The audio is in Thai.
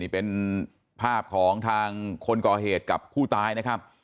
เป็นภาพของทางคนก่อเหตุกับผู้ตายนะครับ